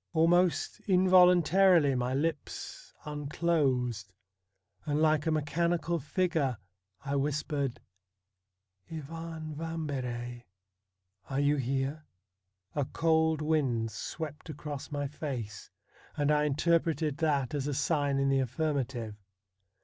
Almost involuntarily my lips unclosed, and like a mechani cal figure I whispered :' Ivan Vambery, are you here ?' A cold wind swept across my face, and I interpreted that as a sign in the affirmative.